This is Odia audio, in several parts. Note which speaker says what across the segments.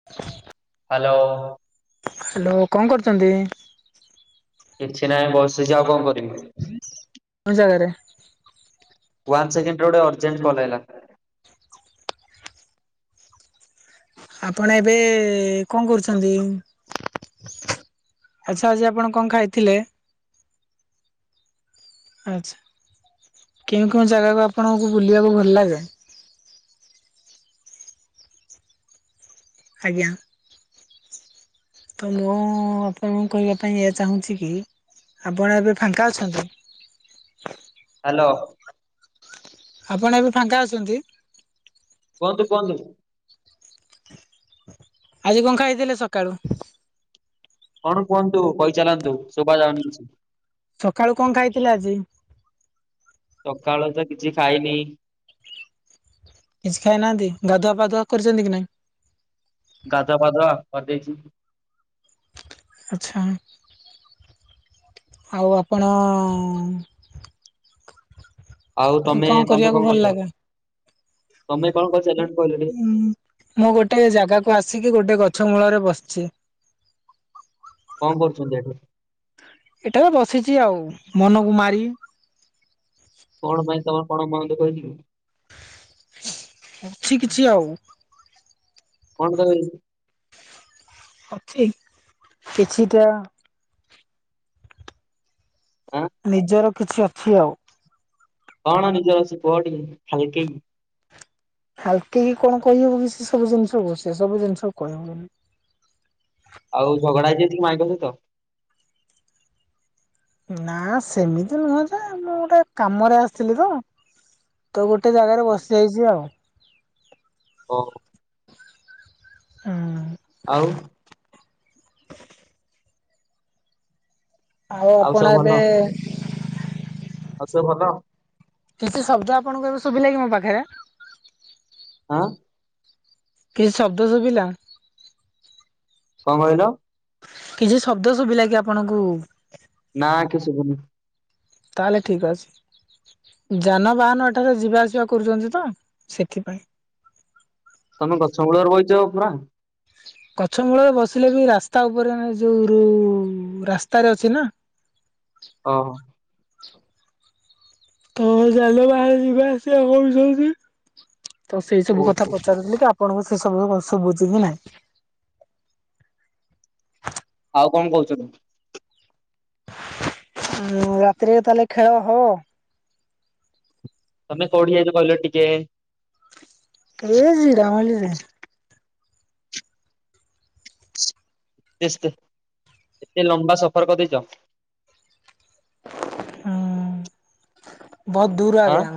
Speaker 1: [inaudible]
Speaker 2: ହ୍ୟାଲୋ।
Speaker 1: ହ୍ୟାଲୋ କଣ କରୁଛନ୍ତି?
Speaker 2: କିଛି ନାହିଁ ବସିଛି ଆଉ କଣ କରିବି।
Speaker 1: ଅ ଜାଗାରେ
Speaker 2: ୱାନ ସେକେଣ୍ଡ ଗୋଟେ ଅର୍ଜେଣ୍ଟ କଲ୍ ଆଇଲା।
Speaker 1: ଆପଣ ଏବେ କଣ କରୁଛନ୍ତି? ଆଚ୍ଛା ଆଜି ଆପଣ କଣ ଖାଇଥିଲେ? ଆଚ୍ଛା କେଉଁ କେଉଁ ଜାଗାକୁ ଆପଣଙ୍କୁ ବୁଲିବାକୁ ଭଲ ଲାଗେ? ଆଜ୍ଞା। ତ ମୁଁ ଆପଣଙ୍କୁ କହିବା ପାଇଁ ଏଇଆ ଚାହୁଁଛି କି ଆପଣ ଏବେ ଫାଙ୍କା ଅଛନ୍ତି?
Speaker 2: ହାଲୋ।
Speaker 1: ଆପଣ ଏବେ ଫାଙ୍କା ଅଛନ୍ତି?
Speaker 2: କୁହନ୍ତୁ କୁହନ୍ତୁ।
Speaker 1: ଆଜି କଣ ଖାଇଥିଲେ ସକାଳୁ?
Speaker 2: କଣ କୁହନ୍ତୁ କହିଚାଲନ୍ତୁ ଶୁଭା ଯାଉନି କିଛି।
Speaker 1: ସକାଳୁ କଣ ଖାଇଥିଲେ ଆଜି?
Speaker 2: ସକାଳୁ ତ କିଛି ଖାଇନି।
Speaker 1: କିଛି ଖାଇ ନାହାଁନ୍ତି ଗାଧୁଆ ପାଧୁଆ କରିଛନ୍ତି କି ନାଇଁ?
Speaker 2: ଗାଧୁଆ ପାଧୁଆ କରିଦେଇଛି।
Speaker 1: ଆଚ୍ଛା। ଆଉ ଆପଣ-ଅ [unintelligible]
Speaker 2: ଆଉ
Speaker 1: କ
Speaker 2: ତମେ
Speaker 1: କଣ
Speaker 2: ତମେ
Speaker 1: କରିବାକୁ ଭଲ
Speaker 2: କରୁଛ
Speaker 1: ଲାଗେ?
Speaker 2: ତମେ କଣ କରି
Speaker 1: [unintelligible] ହୁ ମୁଁ ଗୋଟେ ଜାଗାକୁ ଆସିକି ଗୋଟେ ଗଛ ମୂଳରେ ବସିଛି।
Speaker 2: କଣ କରୁଛନ୍ତି ଏଠୁ?
Speaker 1: ଏଟାରେ ବସିଛି ଆଉ ମନକୁ ମାରି।
Speaker 2: କଣ ପାଇଁ ତମର କଣ ମନ ଦୁଃଖ ହେଇଛି କି?
Speaker 1: ଅଛି କିଛି ଆଉ।
Speaker 2: କଣ ପାଇଁ?
Speaker 1: ଅଛି କିଛିଟା।
Speaker 2: ଉଁ
Speaker 1: ନିଜର କିଛି ଅଛି ଆଉ।
Speaker 2: କଣ ନିଜର ଅଛି କୁହ ଟିକେ ହାଲକେଇ
Speaker 1: ହାଲକେଇକି କଣ କହି ହବ କି ସେ ସବୁ ଜିନିଷକୁ ସେ ସବୁ ଜିନିଷ କହି ହବନି।
Speaker 2: ଆଉ ଝଗଡ଼ା ଆଜି ହେଇଛି କି ମାଇପ ସହିତ।
Speaker 1: ନା ସେମିତି ନୁହଁ ଯେ ମୁଁ ଗୋଟେ କାମରେ ଆସିଥିଲି ତ ତ ଗୋଟେ ଗୋଟେ ଜାଗାରେ ବସିଯାଇଛି ଆଉ।
Speaker 2: ଓ ହ
Speaker 1: ଉଁ
Speaker 2: ଆଉ।
Speaker 1: ଆଉ ଆପଣ ଏବେ।
Speaker 2: ନଥୀବ ଭଲ ଆଉ
Speaker 1: କିଛି ଶବ୍ଦ ଆପଣଙ୍କୁ ଏବେ ଶୁଭିଲା କି ମୋ ପାଖରେ।
Speaker 2: ଆଁ
Speaker 1: କିଛି ଶବ୍ଦ ଶୁଭିଲା।
Speaker 2: କଣ କହିଲ।
Speaker 1: କିଛି ଶବ୍ଦ ଶୁଭିଲା କି ଆପଣଙ୍କୁ
Speaker 2: ନା- କି ସବୁନି।
Speaker 1: ତାହେଲେ ଠିକ୍ ଅଛି ଯାନବାହାନ ଏଠାରେ ଯିବା ଆସିବା କରୁଛନ୍ତି ତ ସେଥିପାଇଁ।
Speaker 2: ତମେ ଗଛ ମୂଳରେ ବଇଚ ପୁରା।
Speaker 1: ଗଛ ମୂଳରେ ବସିଲେ ବି ରାସ୍ତା ଉପରେ ମାନେ ଯୋଉ-ଋ ରାସ୍ତାରେ ଅଛି ନା।
Speaker 2: ଅ-ହ
Speaker 1: ତମର ଯାନ ବାହାନ ଯିବା ଆସିବା କରୁଛନ୍ତି। ତ ସେଇ ସବୁ
Speaker 2: ଓହୋ
Speaker 1: କଥା ପଚାରୁଥିଲ କି ଆପଣଙ୍କୁ ସେ ସବୁ ସୁବୁଛି କି ନାଇଁ।
Speaker 2: ଆଉ କଣ କହୁଛନ୍ତି।
Speaker 1: ଆଉ ରାତିରେ ତାହେଲେ ଖେଳ ହ
Speaker 2: ତମେ କୋଉଠି ଯାଇଛ କହିଲ ଟିକେ।
Speaker 1: [unintelligible]
Speaker 2: [inaudible] ଏତେ ଲମ୍ବା ସଫର କରିଦେଇଛ।
Speaker 1: ହ-ଅ ବହୁତ ଦୂର
Speaker 2: ଆଁ
Speaker 1: ଆଜ୍ଞା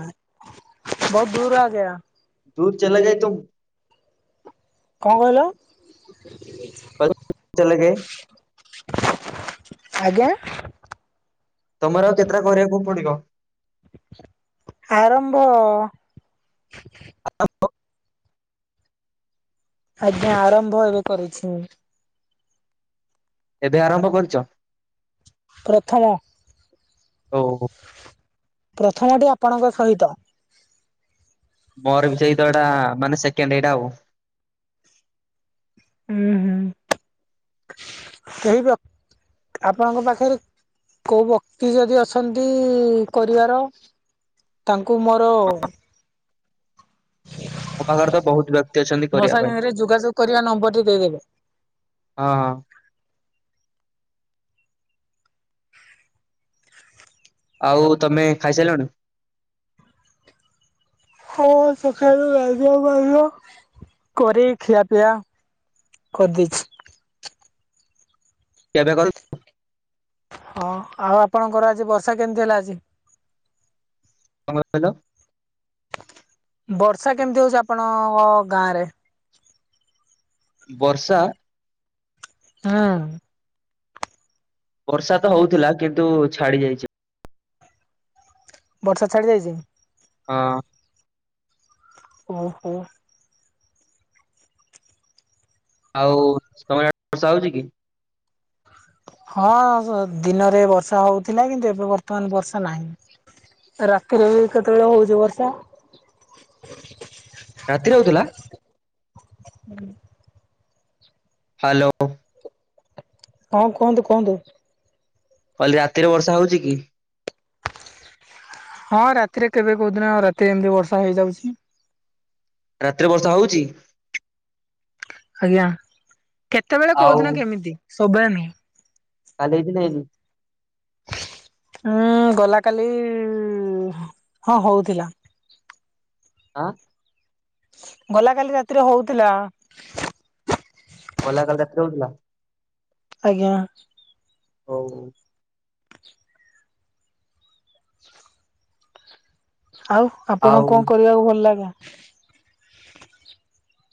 Speaker 1: ବହୁତ ଦୂର ଆଜ୍ଞା।
Speaker 2: ଦୂର ଚଲେ ଗାଇ ତୁମ।
Speaker 1: କଣ କହିଲ?
Speaker 2: ଚଲେଗାୟେ।
Speaker 1: ଆଜ୍ଞା
Speaker 2: ତମର ଆଉ କେତେଟା କରିବାକୁ ପଡ଼ିବ?
Speaker 1: ଆରମ୍ଭ
Speaker 2: [unintelligible]
Speaker 1: ଆଜ୍ଞା ଆରମ୍ଭ ଏବେ କରିଛି।
Speaker 2: ଏବେ ଆରମ୍ଭ କରିଚ?
Speaker 1: ପ୍ରଥମ
Speaker 2: ଓହୋ।
Speaker 1: ପ୍ରଥମଟି ଆପଣଙ୍କ ସହିତ।
Speaker 2: ମୋର ବି ସେଇତ ଏଡା ମାନେ ସେକେଣ୍ଡ ଏଇଟା ଆଉ।
Speaker 1: ଉଁହୁ କେହିବକ ଆପଣଙ୍କ ପାଖରେ କୋଉ ବକ୍ତି ଯଦି ଅଛନ୍ତି କରିବାର ତାଙ୍କୁ ମୋର
Speaker 2: ମୋ ପାଖରେ ତ ବହୁତ ବ୍ୟକ୍ତି ଅଛନ୍ତି
Speaker 1: ମୋ
Speaker 2: କରିବା ପାଇଁ।
Speaker 1: ସାଙ୍ଗରେ ଯୋଗାଯୋଗ କରିବା ନମ୍ବରଟି ଦେଇଦେବେ।
Speaker 2: ହଁ ହଁ। ଆଉ ତମେ ଖାଇସାଇଲଣି?
Speaker 1: ହଁ ସଖାଲୁ ଗାଧୁଆ ପାଧୁଆ କରି ଖିଆ ପିଆ କରିଦେଇଛି।
Speaker 2: କେବେ କରୁ
Speaker 1: ହଁ ଆଉ ଆପଣଙ୍କର ଆଜି ବର୍ଷା କେମିତି ହେଲା ଆଜି?
Speaker 2: [unintelligible]
Speaker 1: ବର୍ଷା କେମିତି ହଉଛି ଆପଣଙ୍କ ଗାଁ ରେ?
Speaker 2: ବର୍ଷା
Speaker 1: ହୁଁ।
Speaker 2: ବର୍ଷା ତ ହଉଥିଲା କିନ୍ତୁ ଛାଡ଼ି ଯାଇଚି।
Speaker 1: ବର୍ଷା ଛାଡ଼ିଯାଇଚି?
Speaker 2: ହଁ।
Speaker 1: ଓହୋ।
Speaker 2: ଆଉ ତମ ବର୍ଷା ହଉଛି କି?
Speaker 1: ହଁ ସ ଦିନରେ ବର୍ଷା ହଉଥିଲା କିନ୍ତୁ ଏବେ ବର୍ତ୍ତମାନ ବର୍ଷା ନାହିଁ। ରାତିରେ ବି କେତେବେଳେ ହୋଉଛି ବର୍ଷା।
Speaker 2: ରାତିରେ ହଉଥିଲା? ହ୍ୟାଲୋ।
Speaker 1: ହଁ କୁହନ୍ତୁ କୁହନ୍ତୁ।
Speaker 2: କହିଲି ରାତିରେ ବର୍ଷା ହୋଉଛି କି?
Speaker 1: ହଁ ରାତିରେ କେବେ କୋଉ ଦିନ ଆ ରାତି ଏମିତି ବର୍ଷା ହେଇଯାଉଛି।
Speaker 2: ରାତିରେ ବର୍ଷା ହୋଉଛି?
Speaker 1: ଆଜ୍ଞା କେତେବେଳେ କୋଉ
Speaker 2: ଆଉ
Speaker 1: ଦିନ କେମିତି ସବୁବେଳେ ନୁହ।
Speaker 2: କାଲି ହେଇଥିଲେ ହେଇନି?
Speaker 1: ଉଁ ଗଲା କାଲି ହଁ ହଉଥିଲା।
Speaker 2: ଆଁ?
Speaker 1: ଗଲା କାଲି ରାତିରେ ହଉଥିଲା।
Speaker 2: ଗଲା କାଲି ରାତିରେ ହଉଥିଲା?
Speaker 1: ଆଜ୍ଞା।
Speaker 2: ହୋଉ।
Speaker 1: ଆଉ
Speaker 2: ଆଉ
Speaker 1: ଆପଣଙ୍କୁ କଁ କରିବାକୁ ଭଲ ଲାଗେ?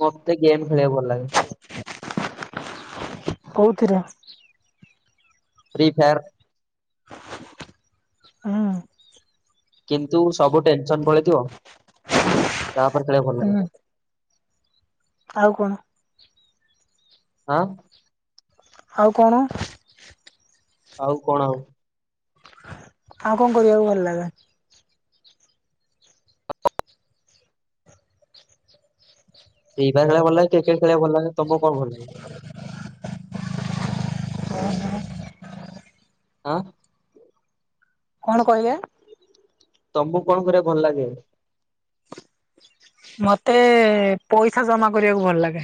Speaker 2: ମତେ ଗେମଟ ଖେଳିବାକୁ ଭଲ ଲାଗେ।
Speaker 1: କୋଉ ଥିରେ?
Speaker 2: ଫ୍ରି ଫାୟାର୍
Speaker 1: ହୁଁ।
Speaker 2: କିନ୍ତୁ ସବୁ ଟେନସନ୍ ପଳେଇଥିବ ତାପରେ ଖେଳିବାକୁ ଭଲ ଲାଗେ।
Speaker 1: ହୁଁ ଆଉ କଣ?
Speaker 2: ଆଁ
Speaker 1: ଆଉ କଣ?
Speaker 2: ଆଉ କଣ ଆଉ।
Speaker 1: ଆଉ କଣ କରିବାକୁ ଭଲ ଲାଗେ?
Speaker 2: ଫ୍ରି ଫାୟାର ଖେଳିବାକୁ ଭଲ ଲାଗେ କ୍ରିକେଟ୍ ଖେଳିବାକୁ ଭଲ ଲାଗେ ତମକୁ କଣ ଭଲ ଲାଗେ?
Speaker 1: [unintelligible]
Speaker 2: ଆଁ
Speaker 1: କଣ କହିଲେ?
Speaker 2: ତମକୁ କଣ କରିବାକୁ ଭଲ ଲାଗେ?
Speaker 1: ମତେ ପଇସା ଜମା କରିବାକୁ ଭଲ ଲାଗେ।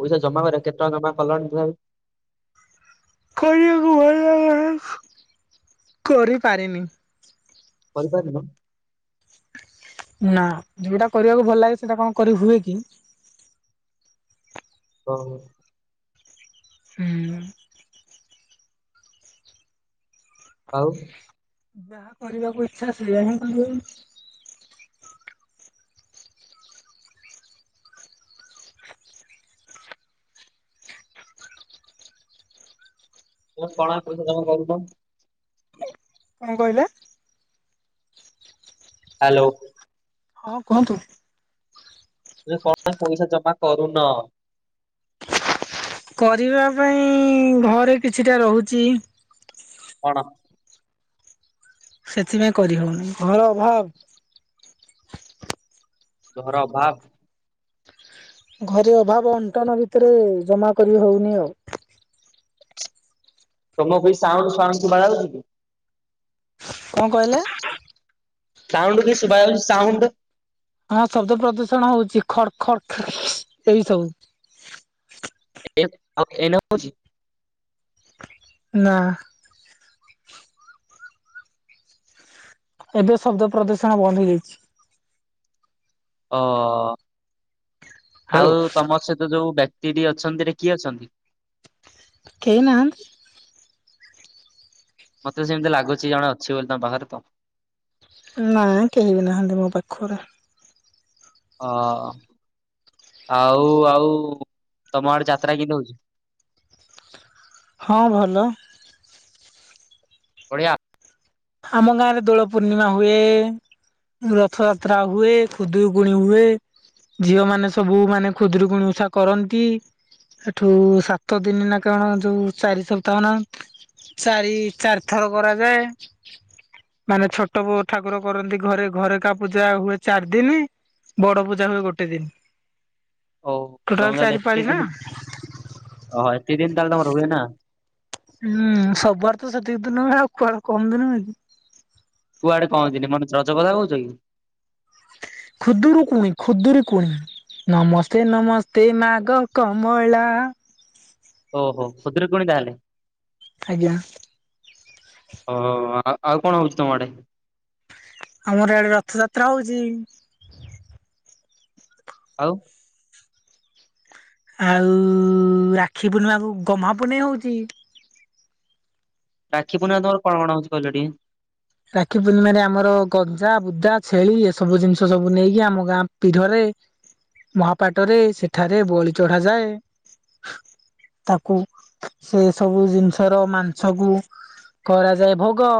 Speaker 2: ପଇସା ଜମା କରିବାକୁ କେତେ ଟଙ୍କା ଜମା କଲଣି ତଥାବି
Speaker 1: ଖାଇବାକୁ ଗଲେ [unintelligible] କରିପାରିନି
Speaker 2: କରିପାରିନ?
Speaker 1: ନାଁ ଯୋଉଟା କରିବାକୁ ଭଲ ଲାଗେ ସେଇଟା କଣ କରି ହୁଏ କି?
Speaker 2: ହଉ।
Speaker 1: ହୁଁ।
Speaker 2: ଆଉ?
Speaker 1: ଯାହା କରିବାକୁ ଇଚ୍ଛା ସେଇଆ ହିଁ କରିବ ଆଉ।
Speaker 2: ତ କଣ ପଇସା ଜମା କରୁଛ।
Speaker 1: କଣ କହିଲେ?
Speaker 2: ହାଲୋ।
Speaker 1: ହଁ କୁହନ୍ତୁ।
Speaker 2: ଯେ କଣ ପାଇଁ ପଇସା ଜମା କରୁନ?
Speaker 1: କରିବା ପାଇଁ ଘରେ କିଛିଟା ରହୁଛି
Speaker 2: କଣ?
Speaker 1: ସେଥିପାଇଁ କରିହଉନି ଘୋର ଅଭାବ।
Speaker 2: ଘୋର ଅଭାବ।
Speaker 1: ଘରେ ଅଭାବ ଅଣ୍ଟନ ଭିତରେ ଜମା କରି ହଉନି ଆଉ।
Speaker 2: ତମକୁ କିଛି ସାଉଣ୍ଟ ଫାଉଣ୍ଟ ଶୁଭାଯାଉଛି କି?
Speaker 1: କଣ କହିଲେ?
Speaker 2: ସାଉଣ୍ଟ୍ କିଛି ଶୁଭାଯାଉଛି ସାଉଣ୍ଟ।
Speaker 1: ହଁ ଶବ୍ଦ ପ୍ରଦୂଷଣ ହଉଛି ଖଡ ଖଡ ଖ ଏଇ ସବୁ।
Speaker 2: [unintelligible] ଆଉ ଏଇନେ ହଉଛି?
Speaker 1: ନାଁ। ଏବେ ଶବ୍ଦ ପ୍ରଦୂଷଣ ବନ୍ଦ ହେଇଯାଇଛି।
Speaker 2: ଓ ଆଉ ତମ ସହିତ ଯୋଉ ବ୍ୟକ୍ତିଟି ଅଛନ୍ତି ସେଠି କିଏ ଅଛନ୍ତି?
Speaker 1: କେହି ନାହାନ୍ତି।
Speaker 2: ମତେ ସେମିତିଆ ଲାଗୁଛି ଜଣେ ଅଛି ବୋଲି ତମ ପାଖରେ ତ।
Speaker 1: ନାଁ କେହି ବି ନାହାନ୍ତି ମୋ ପାଖରେ।
Speaker 2: ହଁ ଆଉ ଆଉ ତମ ଆଡେ ଯାତ୍ରା କେନ୍ତି ହଉଛି?
Speaker 1: ହଁ ଭଲ।
Speaker 2: ବଢିଆ।
Speaker 1: ଆମ ଗାଁରେ ଦୋଳପୂର୍ଣ୍ଣିମା ହୁଏ। ରଥଯାତ୍ରା ହୁଏ ଖୁଦୂରୁକୁଣି ହୁଏ। ଝିଅ ମାନେ ସବୁ ମାନେ ଖୁଦୂରୁକୁଣି ଉଷା କରନ୍ତି। ହେଠୁ ସାତ ଦିନ ନା କଣ ଯୋଉ ଚାରି ସପ୍ତାହ ନା ଚାରି ଚାରିଥର କରାଯାଏ। ମାନେ ଛୋଟୋ [unintelligible] ଠାକୁର କରନ୍ତି ଘରେ ଘରେକା ପୂଜା ହୁଏ ଚାରି ଦିନି। ବଡ ପୂଜା ହୁଏ ଗୋଟେ ଦିନ।
Speaker 2: ଓ ତମେ
Speaker 1: ଟୋଟାଲ
Speaker 2: ତାହାଲେ
Speaker 1: ଚାରି ପାଳି
Speaker 2: ଏତିକି
Speaker 1: ନା
Speaker 2: ଦିନି ଅଃ ଏତିକି ଦିନି ତାହାଲେ ତମର ହୁଏ ନା।
Speaker 1: ହୁଁ ସବୁଆଡ ତ ସେତିକି ଦିନ ହୁଏ ଆଉ କୁଆଡେ କମ୍ ଦିନ ହୁଏ କି।
Speaker 2: କୁଆଡେ କହନ୍ତିନି [unintelligible] ରଜ କଥା କୋହୁଚ କି।
Speaker 1: ଖୁଦୂରୁକୁଣି ଖୁଦୂରୁକୁଣି ନମସ୍ତେ ନମସ୍ତେ ମାଗ କମଳା
Speaker 2: ଓହୋ ଖୁଦୂରୁକୁଣି ତାହାଲେ।
Speaker 1: ଆଜ୍ଞା।
Speaker 2: ଓ ହୋ ହୋ ଆଉ ଆଉ କଣ ହୋଉଚି ତମ ଆଡେ।
Speaker 1: ଆମର ଏଆଡେ ରଥଯାତ୍ରା ହୋଉଚି।
Speaker 2: ଆଉ।
Speaker 1: ଆଉ ରାକ୍ଷୀପୂର୍ଣ୍ଣିମାକୁ ଗହ୍ମାପୁନେଇ ହୋଉଚି।
Speaker 2: ରାକ୍ଷୀପୂର୍ଣ୍ଣିମା ତମର କଣ କଣ ହୋଉଛି କହିଲ ଟିକେ।
Speaker 1: ରାକ୍ଷୀପୂର୍ଣ୍ଣିମାରେ ଆମର ଗଞ୍ଜା ବୁଦା ଛେଳି ଏସବୁ ଜିନିଷ ସବୁ ନେଇକି ଆମ ଗାଁ ପୀଢ଼ରେ ମହାପାଟରେ ସେଠାରେ ବଳି ଚଢାଯାଏ ତାକୁ। ସେ ସବୁ ଜିନିଷ ର ମାଂସ କ କରାଯାଏ ଭୋଗ।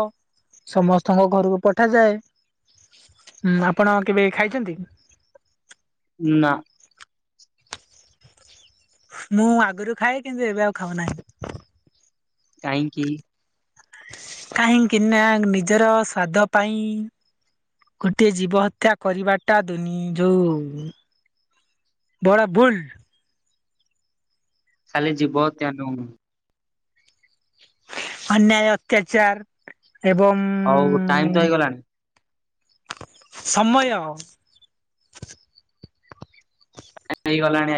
Speaker 1: ସମସ୍ତଙ୍କ ଘରୁକୁ ପଠାଯାଏଁ ଉଁ ଆପଣ କେବେ ଖାଇଛନ୍ତି।
Speaker 2: ନା।
Speaker 1: ମୁଁ ଆଗୁରୁ ଖାଏ କିନ୍ତୁ ଏବେ ଆଉ ଖାଉ ନାହିଁ।
Speaker 2: କାହିଁକିି।
Speaker 1: କାହିଁକିନା ନିଜର ସ୍ଵାଦ ପାଇଁ ଗୋଟିଏ ଜୀବ ହତ୍ୟା କରିବାଟା ଦୁନି ଯୋଉ ବଡ଼ ଭୁଲ।
Speaker 2: ଖାଲି ଜୀବ ହତ୍ୟା ନୁହୁଁ।
Speaker 1: ଅନ୍ୟାୟ ଅତ୍ୟାଚାର ଏବଂ
Speaker 2: ହଉ ଟାଇମ ତ ହେଇଗଲାଣି।
Speaker 1: ସମୟ।
Speaker 2: ହେଇଗଲାଣି [unintelligible]